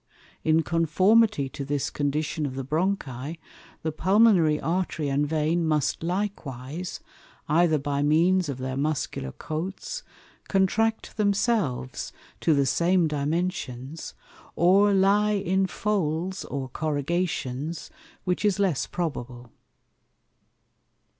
In conformity to this condition of the Bronchi, the Pulmonary Artery and Vein must likewise, either by means of their Muscular Coats, contract themselves to the same Dimensions, or lye in Folds or Corrugations, which is less probable.